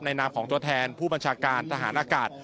นามของตัวแทนผู้บัญชาการทหารอากาศ